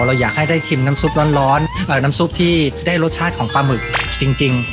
เราอยากให้ได้ชิมน้ำซุปร้อนน้ำซุปที่ได้รสชาติของปลาหมึกจริง